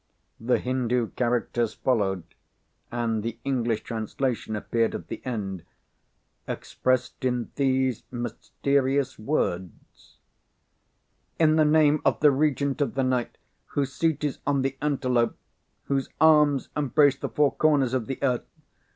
The Hindoo characters followed; and the English translation appeared at the end, expressed in these mysterious words: "In the name of the Regent of the Night, whose seat is on the Antelope, whose arms embrace the four corners of the earth.